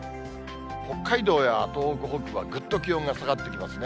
北海道や東北北部はぐっと気温が下がってきますね。